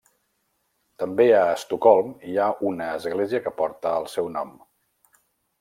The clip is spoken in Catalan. També a Estocolm hi ha una església que porta el seu nom.